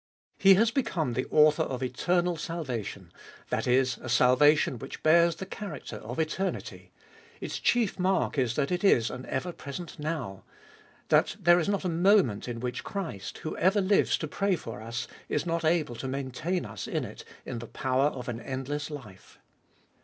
He has become the author of eternal salvation — that is, a salvation which bears the character of eternity ; its chief mark is that it is an ever present Now — that there is not a moment in which Christ, who ever lives to pray for us, is not able to maintain us in it in the power of an endless life.